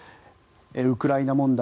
ウクライナ問題